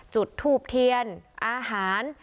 จุดทูบเทียนอาหาร